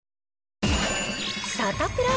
サタプラ。